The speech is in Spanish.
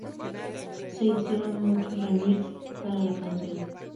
Se hicieron muchos remix para la canción.